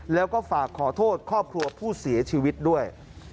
แล้วก็ฝากขอโทษครอบครัวผู้เสียชีวิตด้วย